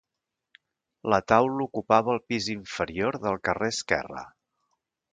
La taula ocupava el pis inferior del carrer esquerre.